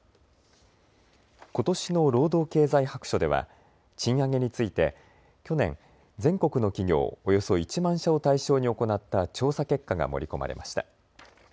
ことしの労働経済白書では賃上げについて去年、全国の企業およそ１万社を対象に行った調査結果が盛り込まれました。